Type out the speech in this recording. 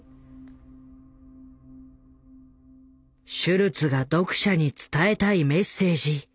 シュルツが読者に伝えたいメッセージ。